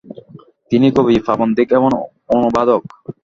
তিনি কবি, প্রাবন্ধিক এবং অনুবাদক।